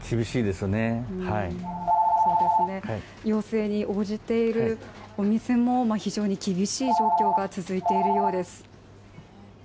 要請に応じているお店も非常に厳しい状況が続いているようです。